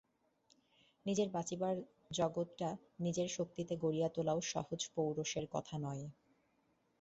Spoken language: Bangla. নিজের বঁচিবার জগৎট নিজের শক্তিতে গড়িয়া তোলাও সহজ পৌরুষের কথা নয়।